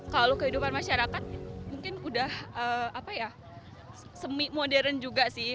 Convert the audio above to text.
kalau kehidupan masyarakat mungkin udah semi modern juga sih